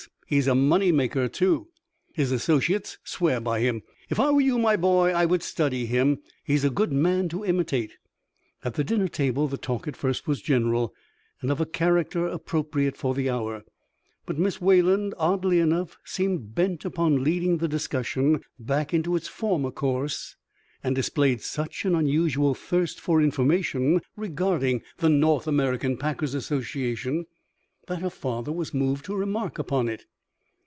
He is a money maker, too; his associates swear by him. If I were you, my boy, I would study him; he is a good man to imitate." At the dinner table the talk at first was general, and of a character appropriate for the hour, but Miss Wayland, oddly enough, seemed bent upon leading the discussion back into its former course, and displayed such an unusual thirst for information regarding the North American Packers' Association that her father was moved to remark upon it.